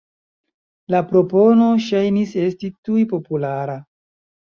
La propono ŝajnis esti tuj populara.